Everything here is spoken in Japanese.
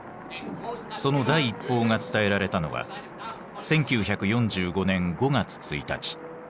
その第一報が伝えられたのは１９４５年５月１日。